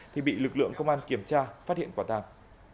thì bị lực lượng công an kiểm tra phát hiện quả tàng